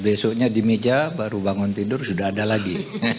besoknya di meja baru bangun tidur sudah ada lagi